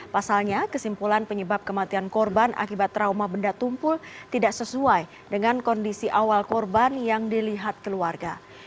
pasalnya kesimpulan penyebab kematian korban akibat trauma benda tumpul tidak sesuai dengan kondisi awal korban yang dilihat keluarga